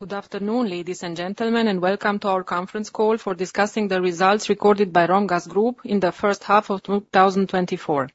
Good afternoon, ladies and gentlemen, and welcome to our conference call for discussing the results recorded by Romgaz Group in the first half of 2024.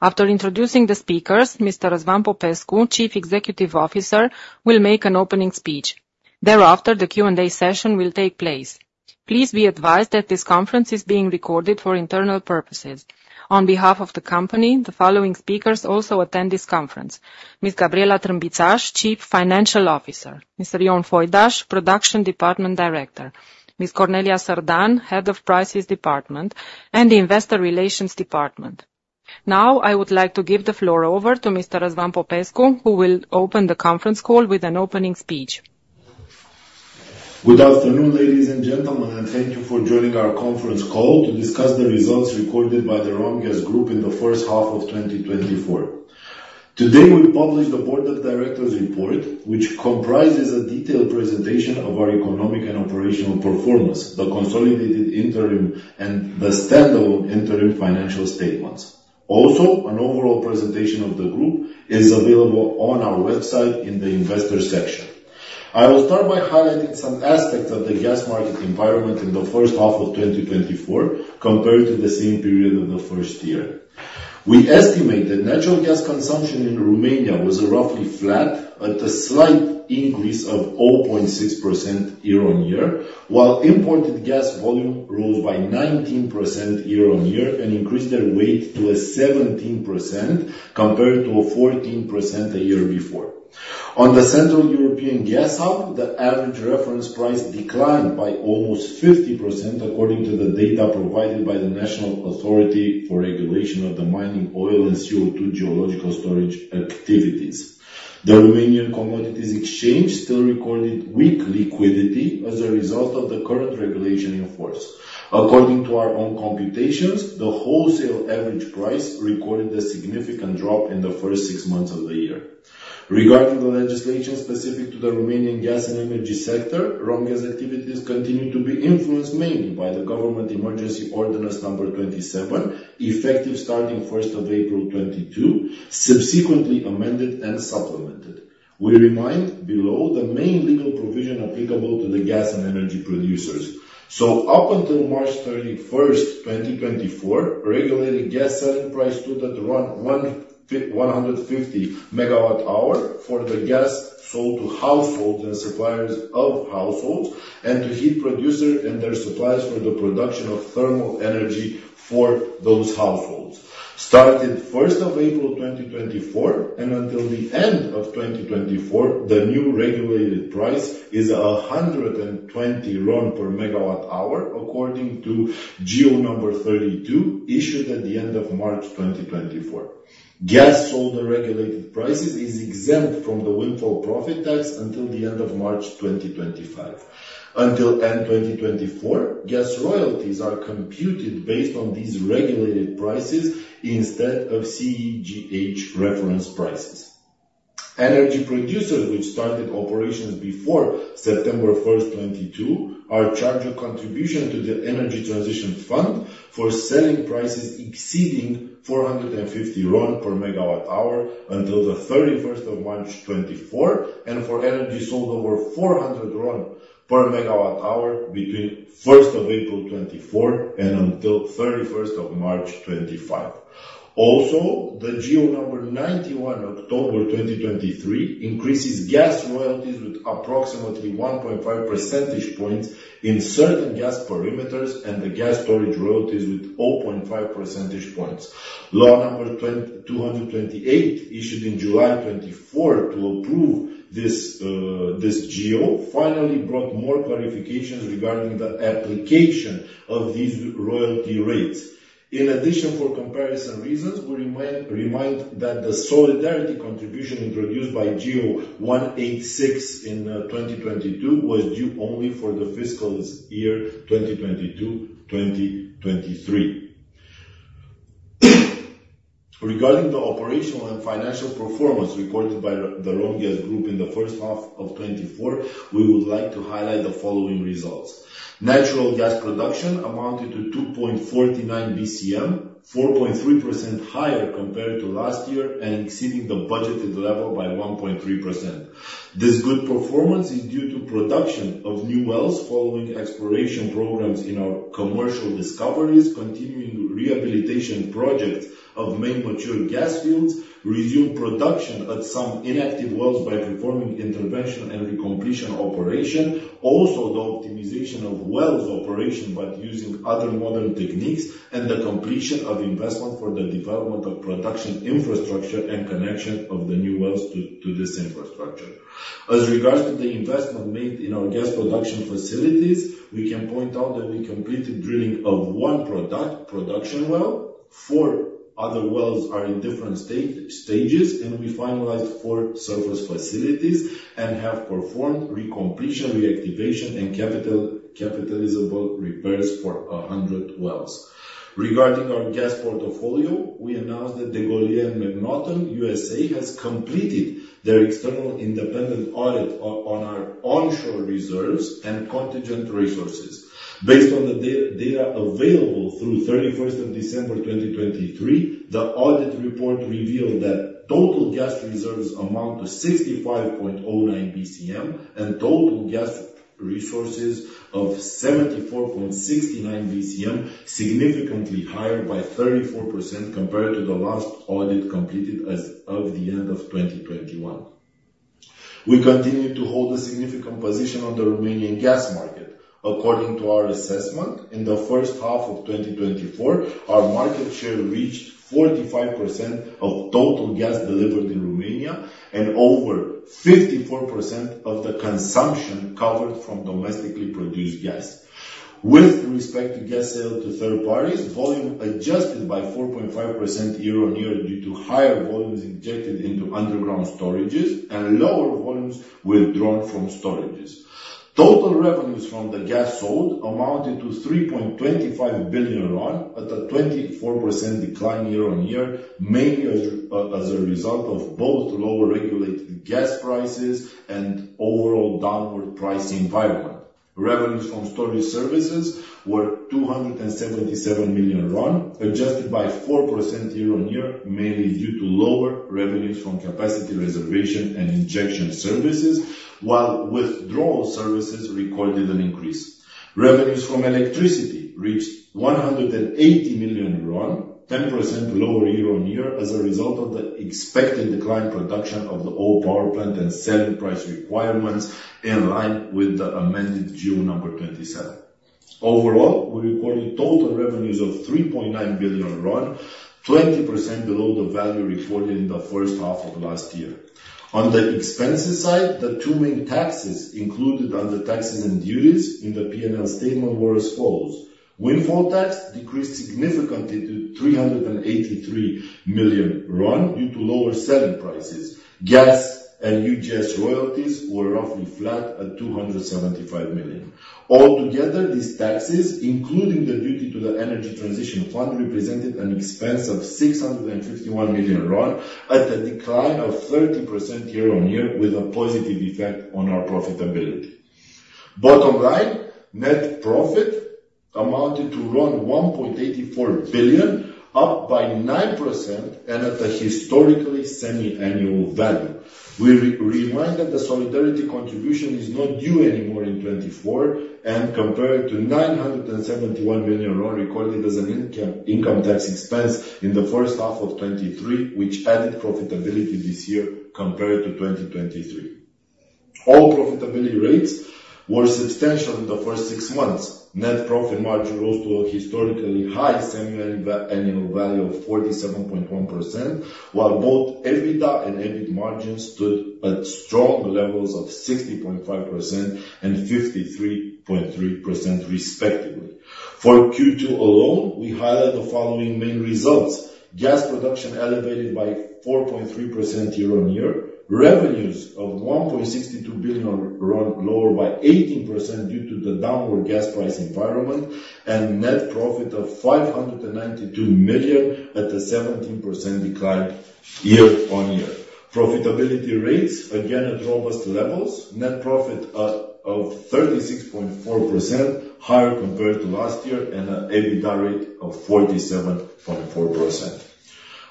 After introducing the speakers, Mr. Răzvan Popescu, Chief Executive Officer, will make an opening speech. Thereafter, the Q&A session will take place. Please be advised that this conference is being recorded for internal purposes. On behalf of the company, the following speakers also attend this conference: Ms. Gabriela Trânbițaș, Chief Financial Officer, Mr. Ioan Foidaș, Production Department Director, Ms. Cornelia Sardan, Head of Prices Department, and the Investor Relations Department. Now, I would like to give the floor over to Mr. Răzvan Popescu, who will open the conference call with an opening speech. Good afternoon, ladies and gentlemen, and thank you for joining our conference call to discuss the results recorded by the Romgaz Group in the first half of 2024. Today, we publish the Board of Directors report, which comprises a detailed presentation of our economic and operational performance, the consolidated interim and the standalone interim financial statements. Also, an overall presentation of the group is available on our website in the investor section. I will start by highlighting some aspects of the gas market environment in the first half of 2024 compared to the same period of the first year. We estimate that natural gas consumption in Romania was roughly flat at a slight increase of 0.6% year-on-year, while imported gas volume rose by 19% year-on-year and increased their weight to a 17% compared to a 14% a year before. On the Central European Gas Hub, the average reference price declined by almost 50%, according to the data provided by the National Authority for Regulation of the Mining, Oil, and CO2 Geological Storage Activities. The Romanian Commodities Exchange still recorded weak liquidity as a result of the current regulation in force. According to our own computations, the wholesale average price recorded a significant drop in the first six months of the year. Regarding the legislation specific to the Romanian gas and energy sector, Romgaz activities continue to be influenced mainly by the Government emergency ordinance number 27, effective starting first of April 2022, subsequently amended and supplemented. We remind below the main legal provision applicable to the gas and energy producers. Up until March 31, 2024, regulated gas selling price stood at around RON 150 MWh for the gas sold to households and suppliers of households, and to heat producer and their suppliers for the production of thermal energy for those households. Starting April 1, 2024, and until the end of 2024, the new regulated price is RON 120 per MWh, according to GEO number 32, issued at the end of March 2024. Gas sold at regulated prices is exempt from the windfall profit tax until the end of March 2025. Until end 2024, gas royalties are computed based on these regulated prices instead of CEGH reference prices. Energy producers which started operations before September 1, 2022, are charged a contribution to the Energy Transition Fund for selling prices exceeding 450 RON per MWh until March 31, 2024, and for energy sold over RON 400 per MWh between April 1, 2024, and until March 31st, 2025. Also, the GEO number 91, October 2023, increases gas royalties with approximately 1.5 percentage points in certain gas perimeters and the gas storage royalties with 0.5 percentage points. Law number 228, issued in July 2024 to approve this, this GEO, finally brought more clarifications regarding the application of these royalty rates. In addition, for comparison reasons, we remind that the Solidarity Contribution introduced by GEO 186 in 2022 was due only for the fiscal year 2022/2023. Regarding the operational and financial performance reported by the Romgaz Group in the first half of 2024, we would like to highlight the following results. Natural gas production amounted to 2.49 BCM, 4.3% higher compared to last year and exceeding the budgeted level by 1.3%. This good performance is due to production of new wells following exploration programs in our commercial discoveries, continuing rehabilitation projects of main mature gas fields, resume production at some inactive wells by performing interventional and recompletion operation. Also, the optimization of wells operation by using other modern techniques and the completion of investment for the development of production infrastructure and connection of the new wells to this infrastructure. As regards to the investment made in our gas production facilities, we can point out that we completed drilling of one production well. Four other wells are in different stages, and we finalized four surface facilities and have performed recompletion, reactivation, and capitalizable repairs for 100 wells. Regarding our gas portfolio, we announced that DeGolyer and MacNaughton has completed their external independent audit on our onshore reserves and contingent resources. Based on the data available through 31st of December 2023, the audit report revealed that total gas reserves amount to 65.09 BCM, and total gas resources of 74.69 BCM, significantly higher by 34% compared to the last audit completed as of the end of 2021. We continue to hold a significant position on the Romanian gas market. According to our assessment, in the first half of 2024, our market share reached 45% of total gas delivered in Romania and over 54% of the consumption covered from domestically produced gas. With respect to gas sale to third parties, volume adjusted by 4.5% year-on-year due to higher volumes injected into underground storages and lower volumes withdrawn from storages. Total revenues from the gas sold amounted to RON 3.25 billion, at a 24% decline year-on-year, mainly as a result of both lower regulated gas prices and overall downward price environment. Revenues from storage services were RON 277 million, adjusted by 4% year-on-year, mainly due to lower revenues from capacity reservation and injection services, while withdrawal services recorded an increase. Revenues from electricity reached RON 180 million, 10% lower year-on-year, as a result of the expected decline production of the old power plant and selling price requirements in line with the amended GEO 27. Overall, we recorded total revenues of RON 3.9 billion, 20% below the value recorded in the first half of last year. On the expenses side, the two main taxes included under taxes and duties in the PNL statement were as follows: windfall tax decreased significantly to RON 383 million due to lower selling prices. Gas and UGS royalties were roughly flat at RON 275 million. Altogether, these taxes, including the duty to the energy transition fund, represented an expense of RON 651 million, at a decline of 30% year-on-year, with a positive effect on our profitability. Bottom line, net profit amounted to RON 1.84 billion, up by 9% and at a historically semiannual value. We re-remind that the solidarity contribution is not due anymore in 2024, and compared to RON 971 million, recorded as an income, income tax expense in the first half of 2023, which added profitability this year compared to 2023. All profitability rates were substantial in the first six months. Net profit margin rose to a historically high semiannual value of 47.1%, while both EBITDA and EBIT margins stood at strong levels of 60.5% and 53.3% respectively. For Q2 alone, we highlight the following main results: Gas production elevated by 4.3% year-on-year. Revenues of RON 1.62 billion, lower by 18% due to the downward gas price environment, and net profit of RON 592 million, at a 17% decline year-on-year. Profitability rates, again, at robust levels. Net profit of 36.4% higher compared to last year, and a EBITDA rate of 47.4%.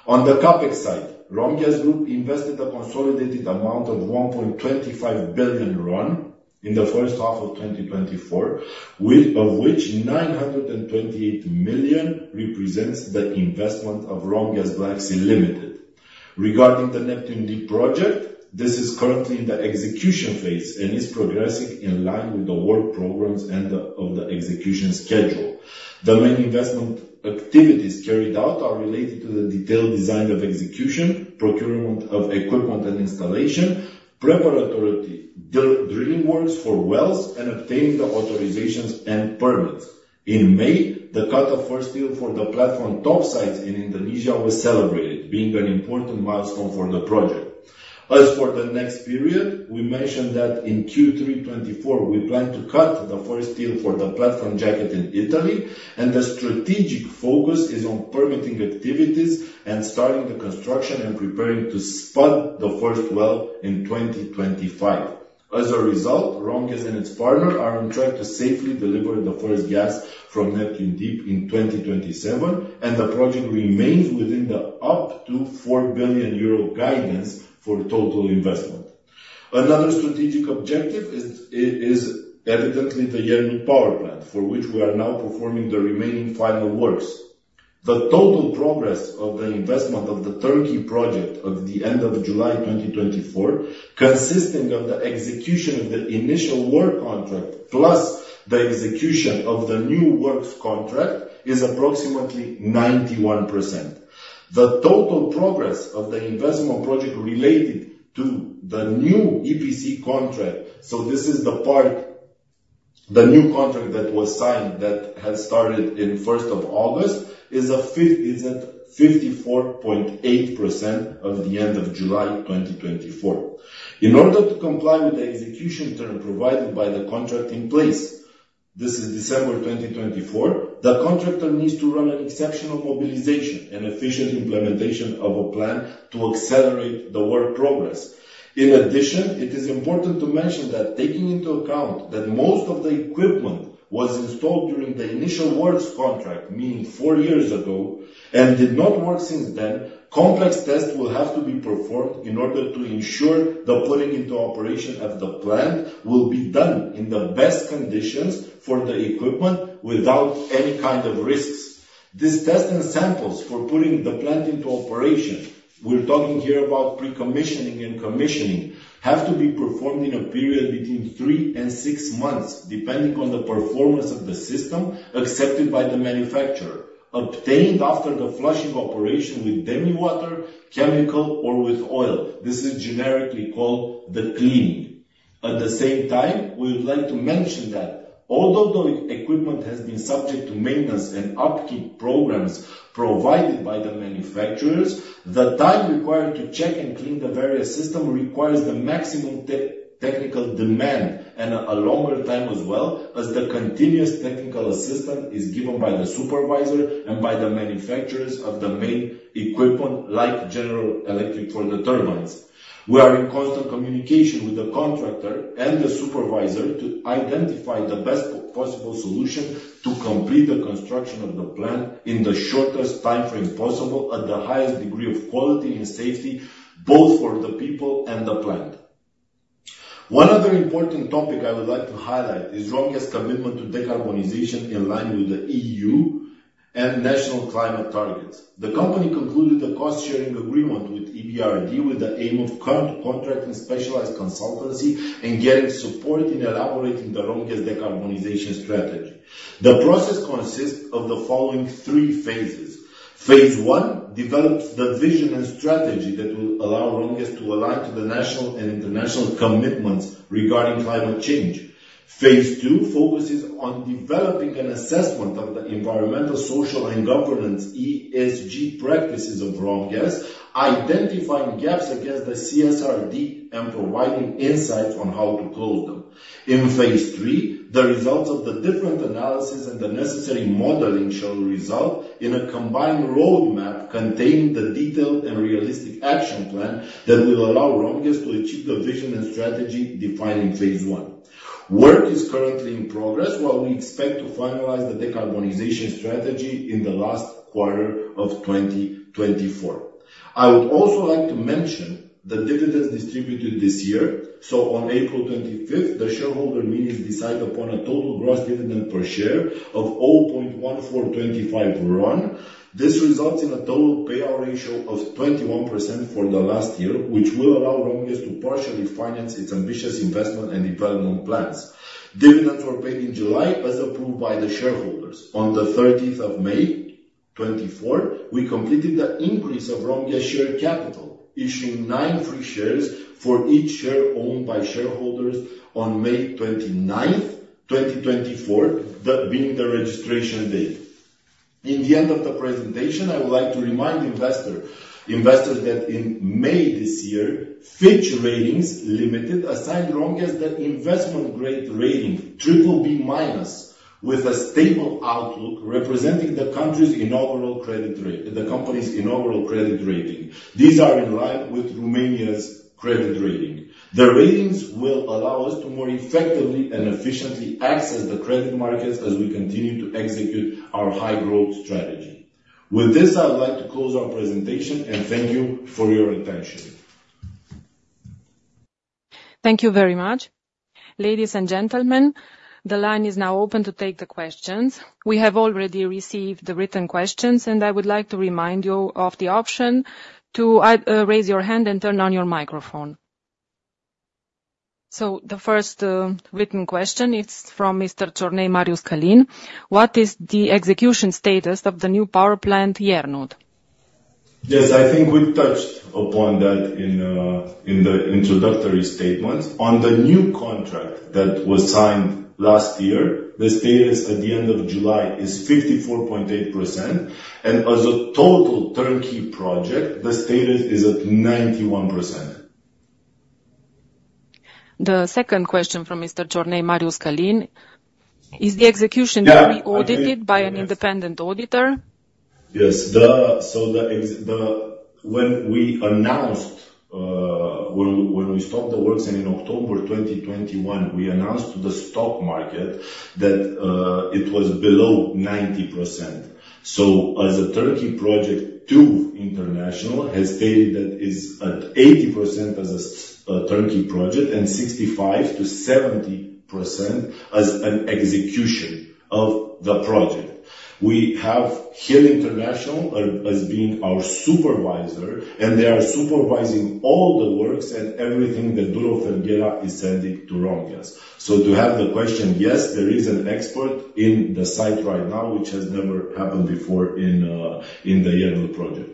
On the CapEx side, Romgaz Group invested a consolidated amount of RON 1.25 billion in the first half of 2024, of which RON 928 million represents the investment of Romgaz Black Sea Limited. Regarding the Neptun Deep project, this is currently in the execution phase and is progressing in line with the work programs and the execution schedule. The main investment activities carried out are related to the detailed design of execution, procurement of equipment and installation, preparatory drilling works for wells, and obtaining the authorizations and permits. In May, the cut of first steel for the platform topsides in Indonesia was celebrated, being an important milestone for the project. As for the next period, we mentioned that in Q3 2024, we plan to cut the first steel for the platform jacket in Italy, and the strategic focus is on permitting activities and starting the construction and preparing to spud the first well in 2025. As a result, Romgaz and its partner are on track to safely deliver the first gas from Neptun Deep in 2027, and the project remains within the up to 4 billion euro guidance for total investment. Another strategic objective is evidently the Iernut Power Plant, for which we are now performing the remaining final works. The total progress of the investment of the Iernut project at the end of July 2024, consisting of the execution of the initial work contract, plus the execution of the new works contract, is approximately 91%. The total progress of the investment project related to the new EPC contract, so this is the part, the new contract that was signed that has started in first of August, is at 54.8% of the end of July 2024. In order to comply with the execution term provided by the contract in place. This is December 2024, the contractor needs to run an exceptional mobilization and efficient implementation of a plan to accelerate the work progress. In addition, it is important to mention that taking into account that most of the equipment was installed during the initial works contract, meaning 4 years ago, and did not work since then, complex tests will have to be performed in order to ensure the putting into operation of the plant will be done in the best conditions for the equipment without any kind of risks. These test and samples for putting the plant into operation, we're talking here about pre-commissioning and commissioning, have to be performed in a period between 3 and 6 months, depending on the performance of the system accepted by the manufacturer, obtained after the flushing operation with demi water, chemical, or with oil. This is generically called the cleaning. At the same time, we would like to mention that although the equipment has been subject to maintenance and upkeep programs provided by the manufacturers, the time required to check and clean the various system requires the maximum technical demand and a longer time as well, as the continuous technical assistance is given by the supervisor and by the manufacturers of the main equipment, like General Electric for the turbines. We are in constant communication with the contractor and the supervisor to identify the best possible solution to complete the construction of the plant in the shortest timeframe possible at the highest degree of quality and safety, both for the people and the plant. One other important topic I would like to highlight is Romgaz's commitment to decarbonization in line with the EU and national climate targets. The company concluded a cost-sharing agreement with EBRD with the aim of contracting specialized consultancy and getting support in elaborating the Romgaz decarbonization strategy. The process consists of the following three phases: Phase one, develops the vision and strategy that will allow Romgaz to align to the national and international commitments regarding climate change. Phase two, focuses on developing an assessment of the environmental, social, and governance, ESG, practices of Romgaz, identifying gaps against the CSRD and providing insights on how to close them. In phase three, the results of the different analysis and the necessary modeling shall result in a combined roadmap containing the detailed and realistic action plan that will allow Romgaz to achieve the vision and strategy defined in phase one. Work is currently in progress, while we expect to finalize the decarbonization strategy in the last quarter of 2024. I would also like to mention the dividends distributed this year. On April 25th, the shareholder meetings decide upon a total gross dividend per share of RON 0.1425. This results in a total payout ratio of 21% for the last year, which will allow Romgaz to partially finance its ambitious investment and development plans. Dividends were paid in July, as approved by the shareholders. On the 13th of May 2024, we completed the increase of Romgaz share capital, issuing 9 free shares for each share owned by shareholders on May 29, 2024, that being the registration date. In the end of the presentation, I would like to remind investors that in May this year, Fitch Ratings Limited assigned Romgaz the investment grade rating BBB-, with a stable outlook representing the country's inaugural credit rating - the company's inaugural credit rating. These are in line with Romania's credit rating. The ratings will allow us to more effectively and efficiently access the credit markets as we continue to execute our high-growth strategy. With this, I would like to close our presentation, and thank you for your attention. Thank you very much. Ladies and gentlemen, the line is now open to take the questions. We have already received the written questions, and I would like to remind you of the option to raise your hand and turn on your microphone. So the first written question is from Mr. Marius Călin: What is the execution status of the new power plant, Iernut? Yes, I think we touched upon that in the introductory statements. On the new contract that was signed last year, the status at the end of July is 54.8%, and as a total turnkey project, the status is at 91%. The second question from Mr. Marius Călin: Is the execution- Yeah... to be audited by an independent auditor? Yes. When we announced, when we stopped the works in October 2021, we announced to the stock market that it was below 90%. So as a turnkey project, Two International has stated that it's at 80% as a turnkey project and 65%-70% as an execution of the project. We have Hill International as being our supervisor, and they are supervising all the works and everything that Duro Felguera is sending to Romgaz. So to answer the question, yes, there is an expert on site right now, which has never happened before in the Iernut project.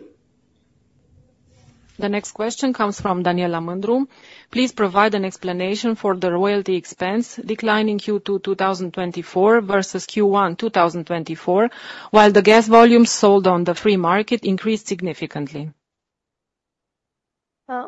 The next question comes from Daniela Mândru. Please provide an explanation for the royalty expense decline in Q2, 2024 versus Q1, 2024, while the gas volumes sold on the free market increased significantly. ...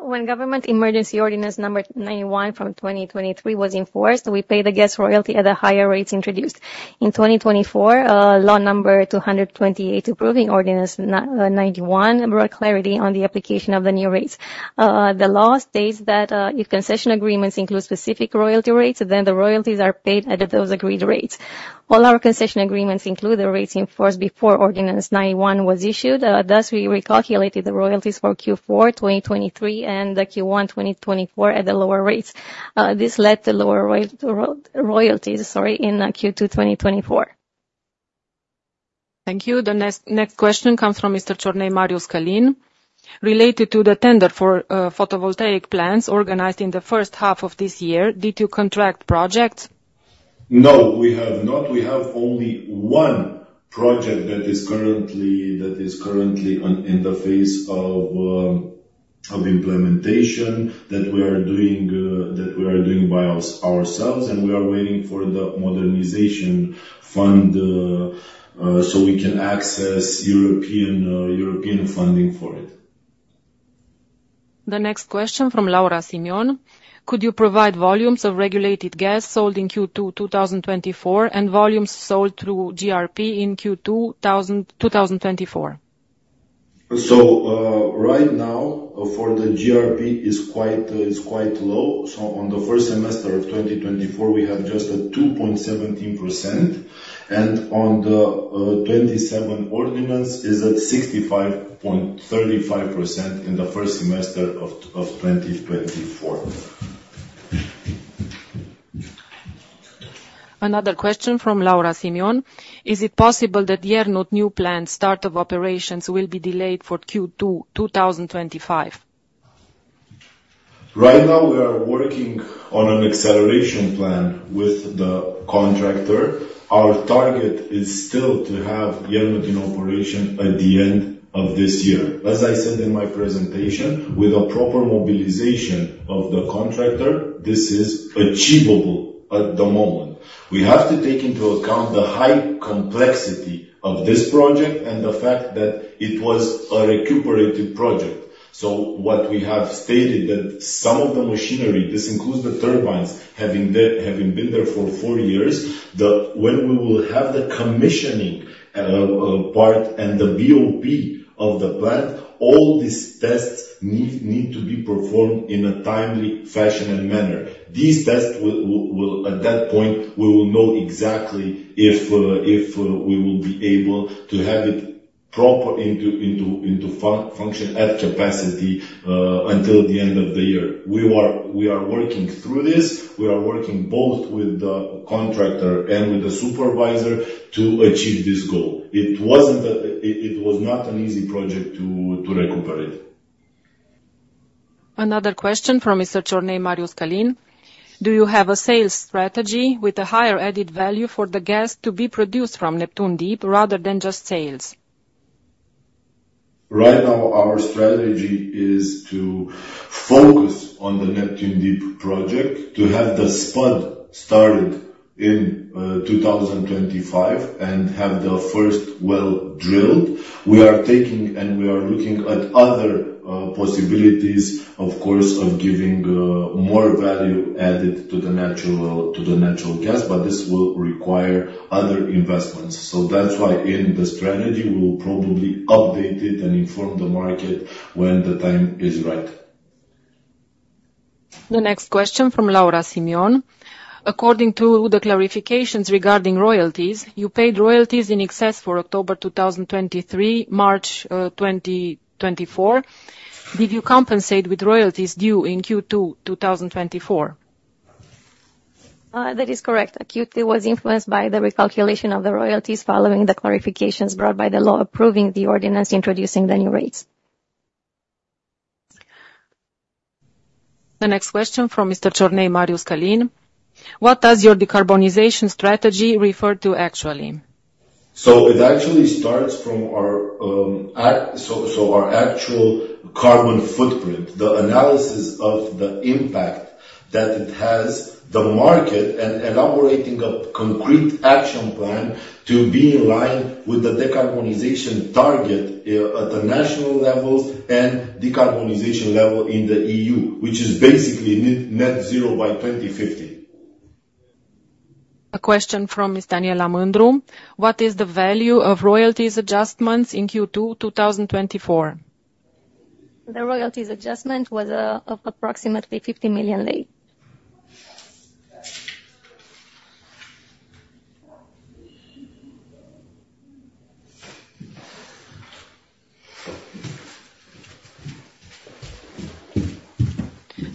When Government Emergency Ordinance number 91 from 2023 was enforced, we paid the gas royalty at the higher rates introduced. In 2024, law number 228, approving ordinance 91, brought clarity on the application of the new rates. The law states that, if concession agreements include specific royalty rates, then the royalties are paid at those agreed rates. All our concession agreements include the rates in force before ordinance 91 was issued. Thus, we recalculated the royalties for Q4 2023 and Q1 2024 at the lower rates. This led to lower royalties, sorry, in Q2 2024. Thank you. The next question comes from Mr. Marius Călin: Related to the tender for photovoltaic plants organized in the first half of this year, did you contract projects? No, we have not. We have only one project that is currently on in the phase of implementation, that we are doing by ourselves, and we are waiting for the Modernization Fund, so we can access European funding for it. The next question from Laura Simion: Could you provide volumes of regulated gas sold in Q2 2024, and volumes sold through GRP in Q2 2024? Right now, for the GRP is quite low. On the first semester of 2024, we have just a 2.17%, and on the 27 ordinance is at 65.35% in the first semester of 2024. Another question from Laura Simion: Is it possible that Iernut new plant start of operations will be delayed for Q2, 2025? Right now, we are working on an acceleration plan with the contractor. Our target is still to have Iernut in operation by the end of this year. As I said in my presentation, with a proper mobilization of the contractor, this is achievable at the moment. We have to take into account the high complexity of this project and the fact that it was a recuperated project. So what we have stated, that some of the machinery, this includes the turbines, having been there for four years, when we will have the commissioning part and the BOP of the plant, all these tests need to be performed in a timely fashion and manner. These tests will—at that point, we will know exactly if, if, we will be able to have it proper into function, at capacity, until the end of the year. We are working through this. We are working both with the contractor and with the supervisor to achieve this goal. It was not an easy project to recuperate. Another question from Mr. Marius Călin: Do you have a sales strategy with a higher added value for the gas to be produced from Neptun Deep rather than just sales? Right now, our strategy is to focus on the Neptun Deep project, to have the spud started in 2025, and have the first well drilled. We are taking and we are looking at other possibilities, of course, of giving more value added to the natural, to the natural gas, but this will require other investments. So that's why in the strategy, we will probably update it and inform the market when the time is right. The next question from Laura Simion: According to the clarifications regarding royalties, you paid royalties in excess for October 2023, March 2024. Did you compensate with royalties due in Q2 2024? That is correct. Q2 was influenced by the recalculation of the royalties following the clarifications brought by the law approving the ordinance, introducing the new rates. The next question from Mr. Marius Călin: What does your decarbonization strategy refer to, actually? So it actually starts from our actual carbon footprint, the analysis of the impact that it has, the market, and elaborating a concrete action plan to be in line with the decarbonization target at the national levels and decarbonization level in the EU, which is basically net zero by 2050. A question from Ms. Daniela Mândru: What is the value of royalties adjustments in Q2, 2024? The royalties adjustment was of approximately RON 50 million.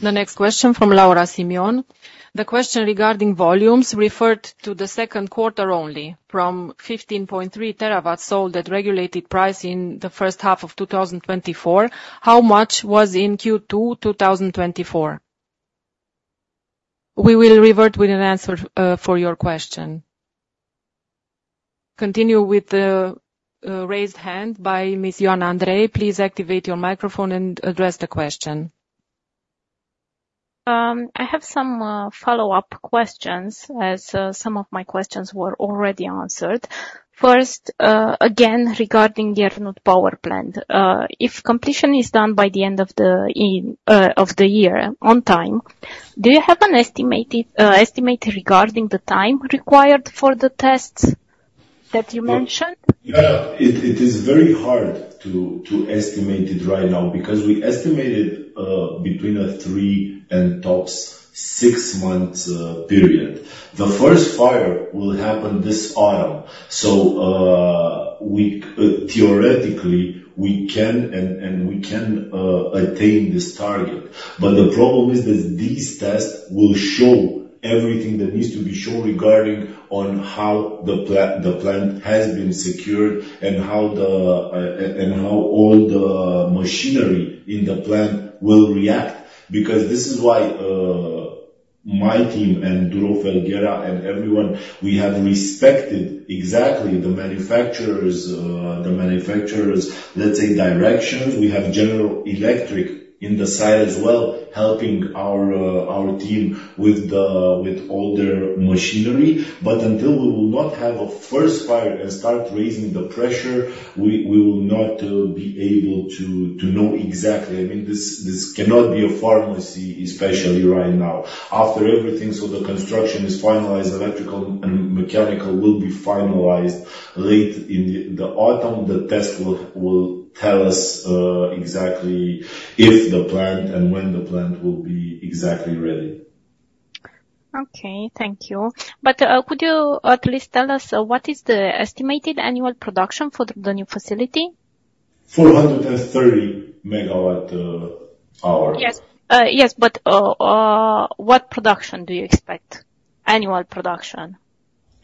The next question from Laura Simion: The question regarding volumes referred to the second quarter only, from 15.3 TW sold at regulated price in the first half of 2024, how much was in Q2 2024? We will revert with an answer for your question. Continue with the raised hand by Ms. Ioana Andrei. Please activate your microphone and address the question. ... I have some follow-up questions, as some of my questions were already answered. First, again, regarding the Iernut Power Plant. If completion is done by the end of the year on time, do you have an estimated estimate regarding the time required for the tests that you mentioned? Yeah, it is very hard to estimate it right now, because we estimated between 3 and tops 6 months period. The first fire will happen this autumn, so theoretically, we can attain this target. But the problem is that these tests will show everything that needs to be shown regarding how the plant has been secured and how all the machinery in the plant will react. Because this is why my team and Duro Felguera and everyone, we have respected exactly the manufacturer's, let's say, directions. We have General Electric in the site as well, helping our team with all their machinery. But until we will not have a first fire and start raising the pressure, we will not be able to know exactly. I mean, this cannot be a pharmacy, especially right now. After everything, so the construction is finalized, electrical and mechanical will be finalized late in the autumn. The test will tell us exactly if the plant and when the plant will be exactly ready. Okay, thank you. But, could you at least tell us what is the estimated annual production for the new facility? 430 MWh. Yes. Yes, but, what production do you expect? Annual production.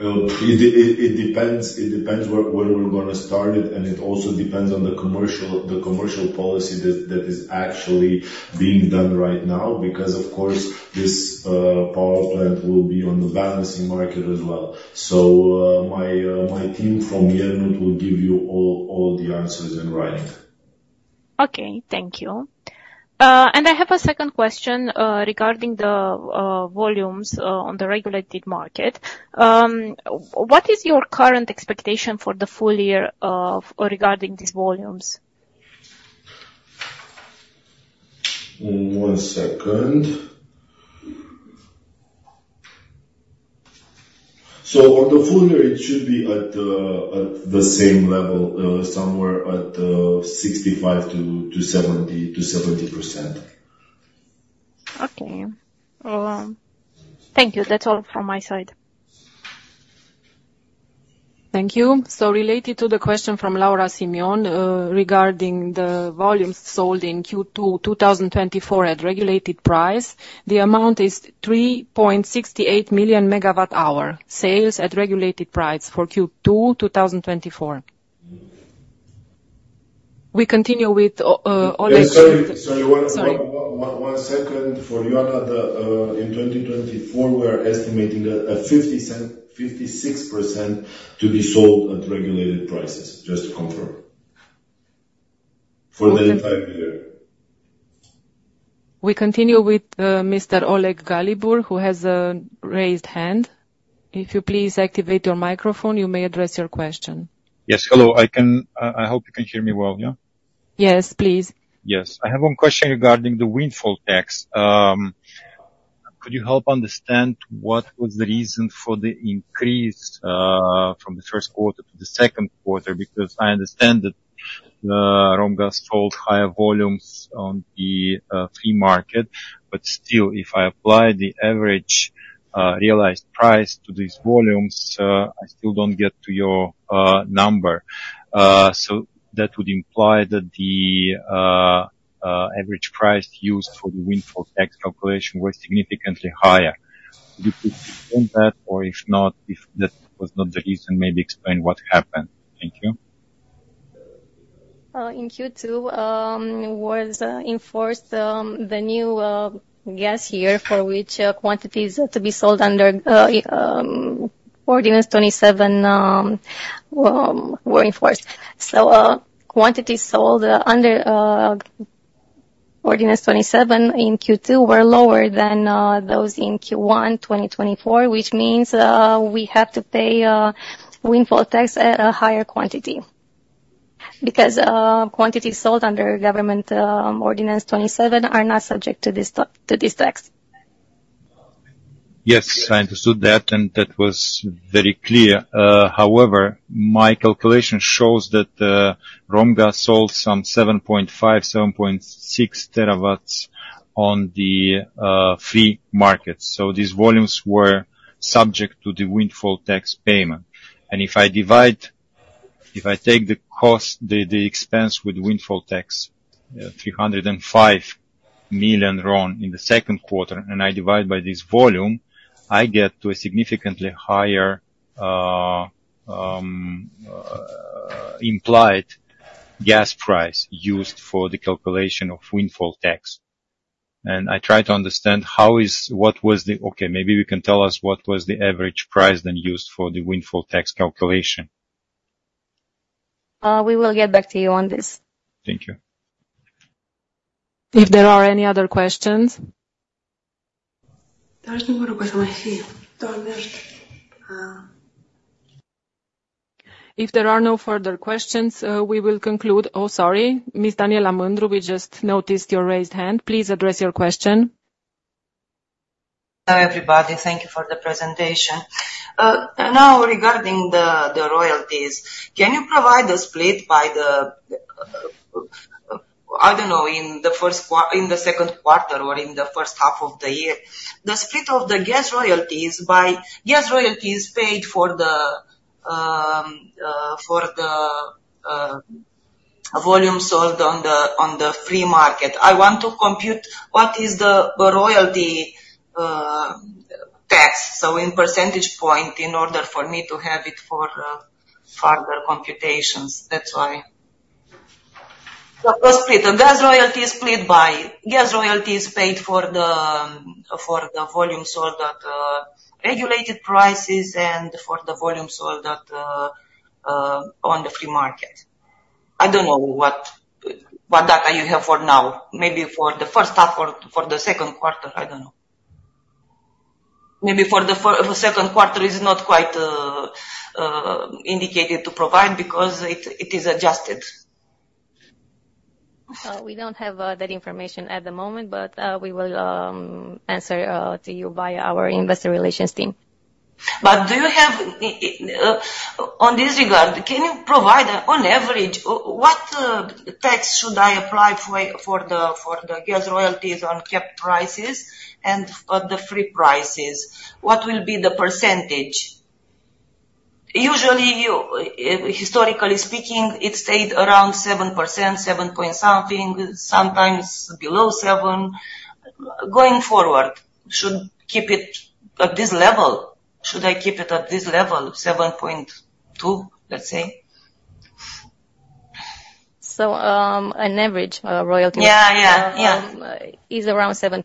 It depends where, when we're gonna start it, and it also depends on the commercial policy that is actually being done right now. Because, of course, this power plant will be on the balancing market as well. So, my team from Iernut will give you all the answers in writing. Okay, thank you. And I have a second question regarding the volumes on the regulated market. What is your current expectation for the full year of... Regarding these volumes? One second. On the full year, it should be at the same level, somewhere at 65%-70% to 70%. Okay. Thank you. That's all from my side. Thank you. So related to the question from Laura Simion, regarding the volumes sold in Q2 2024 at regulated price, the amount is 3.68 million MWh, sales at regulated price for Q2 2024. We continue with, Oleg- Sorry, sorry, one- Sorry. One second. For Ioana, in 2024, we are estimating that 56% to be sold at regulated prices, just to confirm. For the entire year. We continue with Mr. Oleg Galbur, who has a raised hand. If you please activate your microphone, you may address your question. Yes. Hello, I can... I hope you can hear me well, yeah? Yes, please. Yes. I have one question regarding the windfall tax. Could you help understand what was the reason for the increase from the first quarter to the second quarter? Because I understand that Romgaz sold higher volumes on the free market, but still, if I apply the average realized price to these volumes, I still don't get to your number. So that would imply that the average price used for the windfall tax calculation was significantly higher. Do you confirm that, or if not, if that was not the reason, maybe explain what happened. Thank you. In Q2, was enforced the new gas year, for which quantities are to be sold under ordinance 27, were enforced. So, quantities sold under ordinance 27 in Q2 were lower than those in Q1 2024, which means we have to pay windfall tax at a higher quantity. Because quantities sold under government ordinance 27 are not subject to this tax. Yes, I understood that, and that was very clear. However, my calculation shows that Romgaz sold some 7.5, 7.6 TW on the free market. So these volumes were subject to the windfall tax payment. And if I divide- if I take the cost, the, the expense with windfall tax, RON 305 million in the second quarter, and I divide by this volume, I get to a significantly higher implied gas price used for the calculation of windfall tax. And I try to understand how is... What was the-- Okay, maybe you can tell us what was the average price then used for the windfall tax calculation?... we will get back to you on this. Thank you. If there are any other questions? There is no more question, I see. If there are no further questions, we will conclude. Oh, sorry, Miss Daniela Mândru, we just noticed your raised hand. Please address your question. Hi, everybody. Thank you for the presentation. Now, regarding the royalties, can you provide the split by the, I don't know, in the second quarter or in the first half of the year? The split of the gas royalties by gas royalties paid for the volume sold on the free market. I want to compute what is the royalty tax, so in percentage point, in order for me to have it for further computations. That's why. The split, the gas royalty is split by gas royalties paid for the volume sold at regulated prices and for the volume sold at on the free market. I don't know what data you have for now. Maybe for the first half or for the second quarter, I don't know. Maybe for the second quarter is not quite indicated to provide because it, it is adjusted. We don't have that information at the moment, but we will answer to you by our investor relations team. But do you have, on this regard, can you provide, on average, what tax should I apply for the gas royalties on capped prices and on the free prices? What will be the percentage? Usually, historically speaking, it stayed around 7%, 7 point something, sometimes below 7. Going forward, should keep it at this level? Should I keep it at this level, 7.2, let's say? An average royalty? Yeah, yeah, yeah. is around 7%.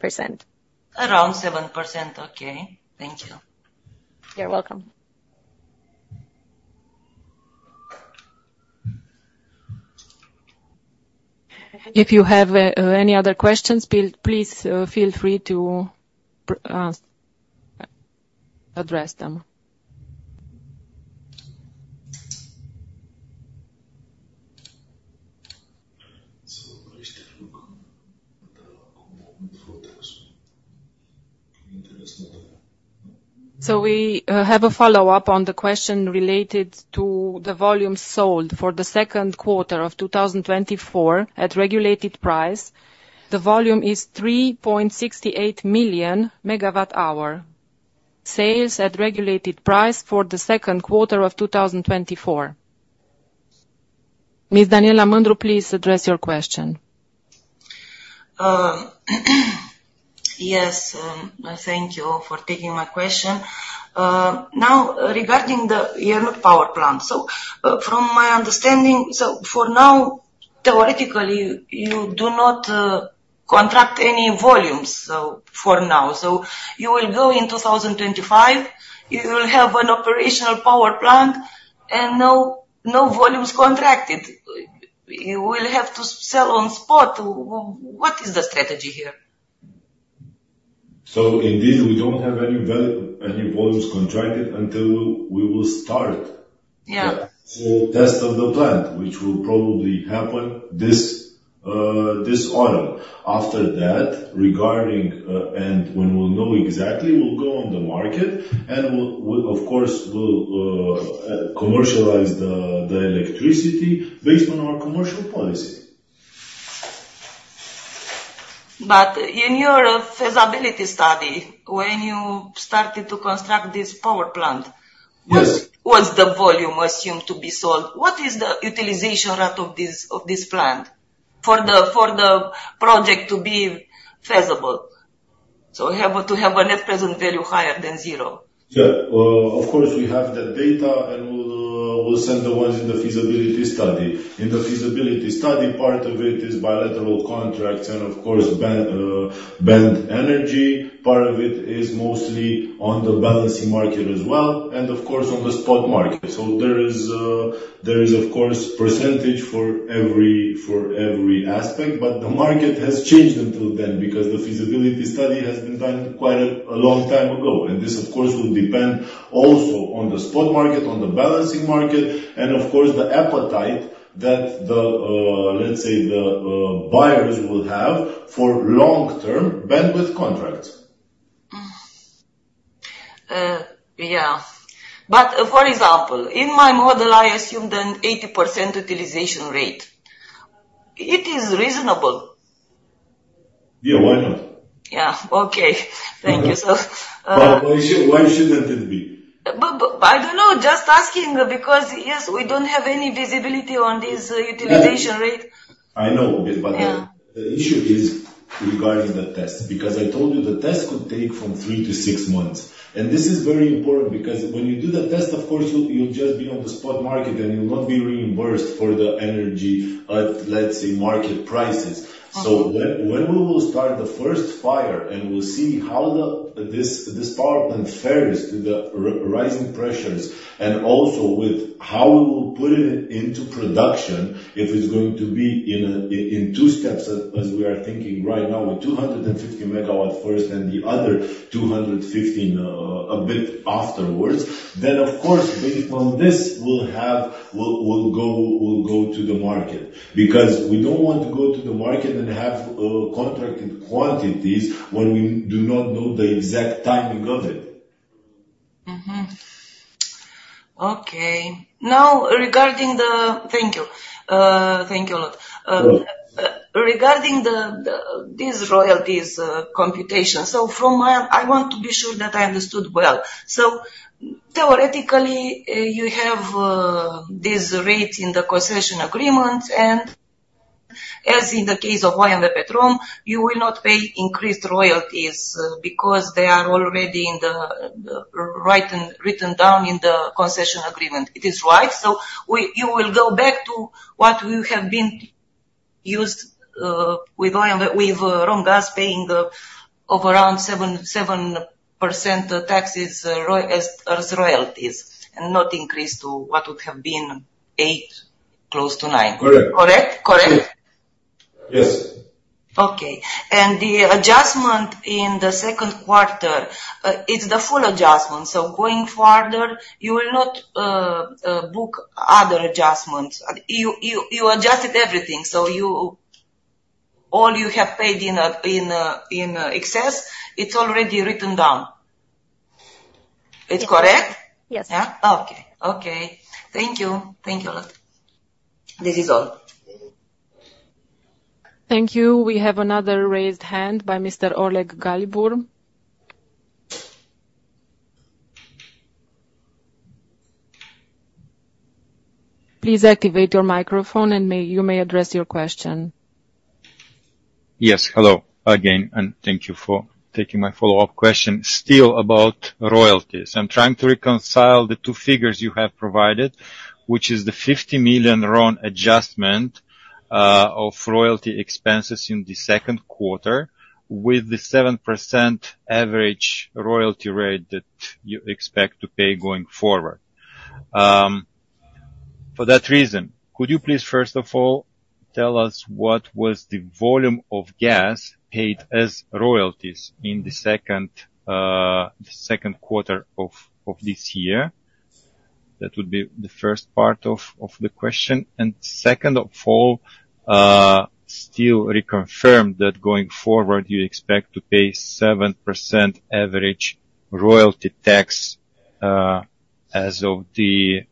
Around 7%. Okay, thank you. You're welcome. If you have any other questions, please, please, feel free to address them. We have a follow-up on the question related to the volume sold for the second quarter of 2024 at regulated price. The volume is 3.68 million MWh. Sales at regulated price for the second quarter of 2024. Ms. Daniela Mândru, please address your question. Yes, thank you for taking my question. Now, regarding the Iernut power plant. So, from my understanding, so for now, theoretically, you do not contract any volumes, so for now. So you will go in 2025, you will have an operational power plant and no, no volumes contracted. You will have to sell on spot. What is the strategy here? So indeed, we don't have any volumes contracted until we will start- Yeah... So test of the plant, which will probably happen this autumn. After that, regarding and when we'll know exactly, we'll go on the market and we'll of course commercialize the electricity based on our commercial policy. But in your feasibility study, when you started to construct this power plant? Yes... what's the volume assumed to be sold? What is the utilization rate of this plant for the project to be feasible? So we have to have a net present value higher than zero. Yeah. Of course, we have the data, and we'll send the ones in the feasibility study. In the feasibility study, part of it is bilateral contracts, and of course, band energy. Part of it is mostly on the balancing market as well, and of course, on the spot market. So there is, of course, percentage for every aspect, but the market has changed until then because the feasibility study has been done quite a long time ago. And this, of course, will depend also on the spot market, on the balancing market, and of course, the appetite that the, let's say, the buyers will have for long-term bandwidth contracts. Yeah. But for example, in my model, I assumed an 80% utilization rate. It is reasonable? Yeah, why not? Yeah, okay. Thank you, so, But why should, why shouldn't it be? But I don't know, just asking because, yes, we don't have any visibility on this utilization rate.... I know, but the issue is regarding the test, because I told you the test could take from 3-6 months. This is very important, because when you do the test, of course, you'll just be on the spot market and you will not be reimbursed for the energy at, let's say, market prices. When we will start the first fire, and we'll see how this power plant fares to the rising pressures, and also with how we will put it into production, if it's going to be in two steps, as we are thinking right now, with 250 MW first and the other 215 MW a bit afterwards, then of course, based on this, we'll go to the market. Because we don't want to go to the market and have contracted quantities when we do not know the exact timing of it. Okay. Now, regarding the... Thank you a lot. Regarding these royalties computation. So from my end, I want to be sure that I understood well. So theoretically, you have this rate in the concession agreement, and as in the case of OMV Petrom, you will not pay increased royalties because they are already in the written down in the concession agreement. It is right? So you will go back to what you have been used with OMV with Romgaz paying of around seven percent taxes as royalties, and not increase to what would have been eight, close to 9%. Correct. Correct? Correct. Yes. Okay. And the adjustment in the second quarter, it's the full adjustment. So going farther, you will not book other adjustments. You adjusted everything, so all you have paid in excess, it's already written down. It's correct? Yes. Yeah? Okay. Okay. Thank you. Thank you a lot. This is all. Thank you. We have another raised hand by Mr. Oleg Galbur. Please activate your microphone, and you may address your question. Yes, hello again, and thank you for taking my follow-up question. Still about royalties. I'm trying to reconcile the two figures you have provided, which is the RON 50 million adjustment of royalty expenses in the second quarter, with the 7% average royalty rate that you expect to pay going forward. For that reason, could you please, first of all, tell us what was the volume of gas paid as royalties in the second quarter of this year? That would be the first part of the question. And second of all, still reconfirm that going forward, you expect to pay 7% average royalty tax calculated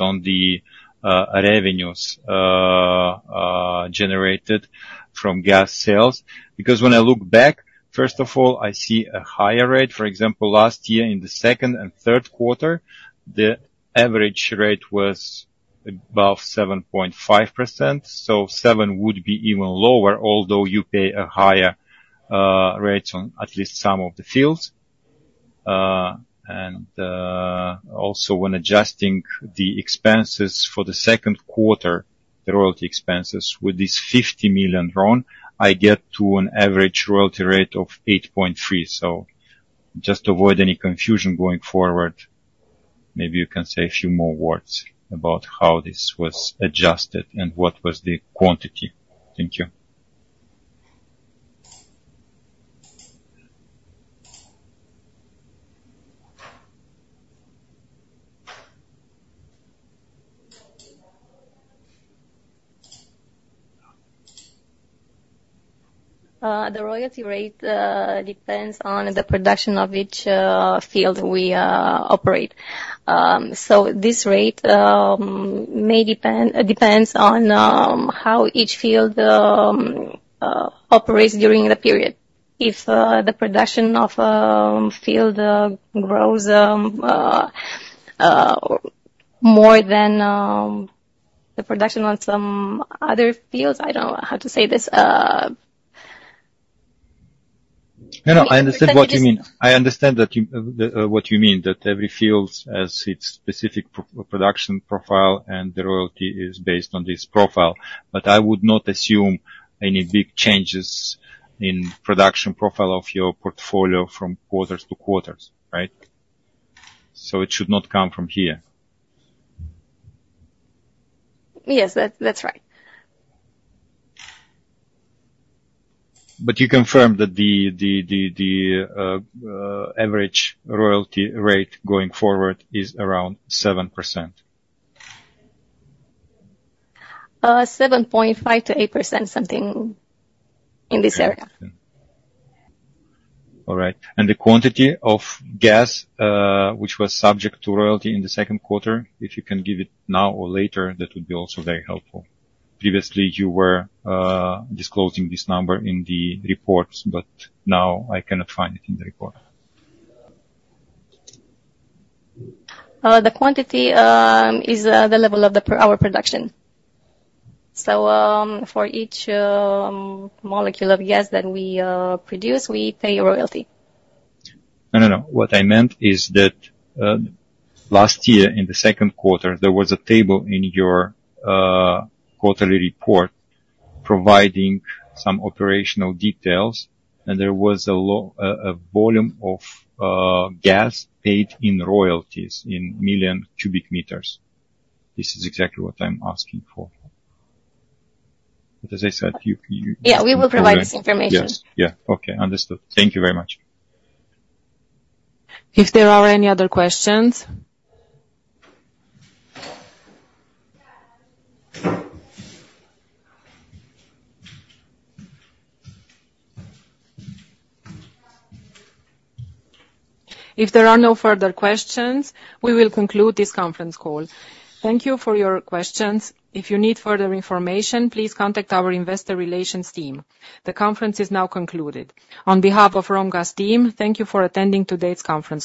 on the revenues generated from gas sales. Because when I look back, first of all, I see a higher rate. For example, last year, in the second and third quarter, the average rate was above 7.5%, so 7 would be even lower, although you pay a higher rate on at least some of the fields. And also when adjusting the expenses for the second quarter, the royalty expenses with this RON 50 million, I get to an average royalty rate of 8.3. So just to avoid any confusion going forward, maybe you can say a few more words about how this was adjusted and what was the quantity. Thank you. The royalty rate depends on the production of each field we operate. So this rate may depend, depends on how each field operates during the period. If the production of field grows more than the production on some other fields... I don't know how to say this. No, no, I understand what you mean. Can you just- I understand that you, what you mean, that every field has its specific production profile, and the royalty is based on this profile. But I would not assume any big changes in production profile of your portfolio from quarters to quarters, right? So it should not come from here. Yes, that's right. But you confirm that the average royalty rate going forward is around 7%? 7.5%-8%, something in this area. All right. And the quantity of gas, which was subject to royalty in the second quarter, if you can give it now or later, that would be also very helpful. Previously, you were disclosing this number in the reports, but now I cannot find it in the report. The quantity is the level of our production. So, for each molecule of gas that we produce, we pay a royalty. No, no, no. What I meant is that, last year, in the second quarter, there was a table in your, quarterly report providing some operational details, and there was a volume of, gas paid in royalties in million cubic meters. This is exactly what I'm asking for. But as I said, you, you- Yeah, we will provide this information. Yes. Yeah, okay. Understood. Thank you very much. If there are any other questions? If there are no further questions, we will conclude this conference call. Thank you for your questions. If you need further information, please contact our investor relations team. The conference is now concluded. On behalf of Romgaz team, thank you for attending today's conference call.